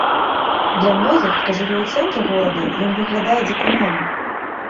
Для многіх, хто жыве ў цэнтры горада, ён выглядае дзікуном!